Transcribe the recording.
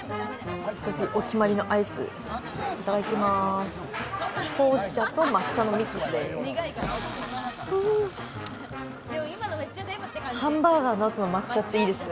お決まりのアイスいただきます。